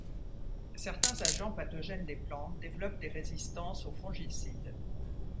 Certains agents pathogènes des plantes développent des résistances aux fongicides.